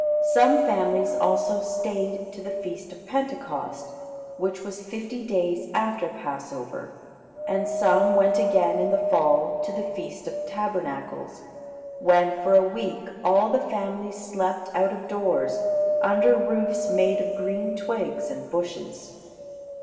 Some families also stayed to the feast of Pentecost, which was fifty days after Passover; and some went again in the fall to the feast of Tabernacles, when for a week all the families slept out of doors, under roofs made of green twigs and bushes.